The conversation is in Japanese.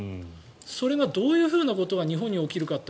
それがどういうふうなことが日本に起きるかって